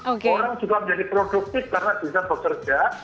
orang juga menjadi produktif karena bisa bekerja